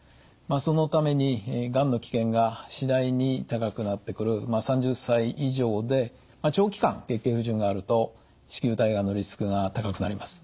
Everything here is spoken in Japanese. そのためにがんの危険が次第に高くなってくる３０歳以上で長期間月経不順があると子宮体がんのリスクが高くなります。